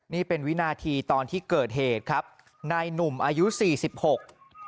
นี่เป็นวินาทีตอนที่เกิดเหตุครับนายหนุ่มอายุสี่สิบหก